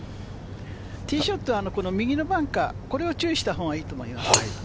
ティーショットは右のバンカー、これを注意したほうがいいと思います。